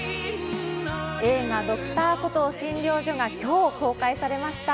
映画「Ｄｒ．コトー診療所」が今日、公開されました。